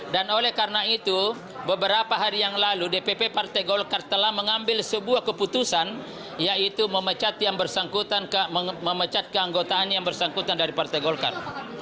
dan oleh karena itu beberapa hari yang lalu dpp partai golkar telah mengambil sebuah keputusan yaitu memecat keanggotaan yang bersangkutan dari partai golkar